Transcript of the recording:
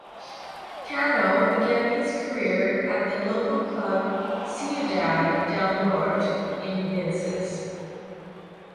Cano began his career at the local club Ciudad del Norte in Vinces.